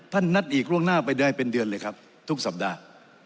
นัดอีกล่วงหน้าไปได้เป็นเดือนเลยครับทุกสัปดาห์